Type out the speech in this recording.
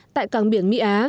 tại cảng biển mỹ á